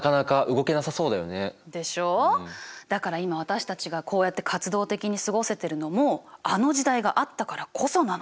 だから今私たちがこうやって活動的に過ごせてるのもあの時代があったからこそなの。